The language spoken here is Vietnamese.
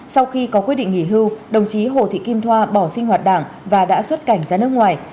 sau khi có quyết định nghỉ hưu đồng chí hồ thị kim thoa bỏ sinh hoạt đảng và đã xuất cảnh ra nước ngoài